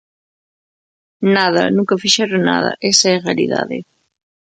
Nada, nunca fixeron nada; esa é a realidade.